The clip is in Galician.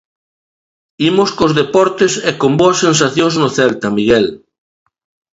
Imos cos deportes, e con boas sensacións no Celta, Miguel.